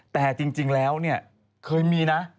แต่จริงแล้วเนี่ยเคยมีนะ